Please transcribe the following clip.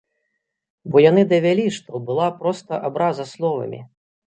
Бо яны давялі, што была проста абраза словамі.